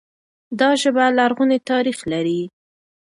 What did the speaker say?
دا ژبه لرغونی تاريخ لري.